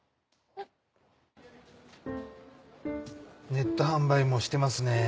ネット販売もしてますね。